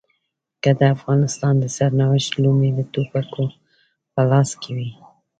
که د افغانستان د سرنوشت لومې د ټوپکو په لاس کې وي.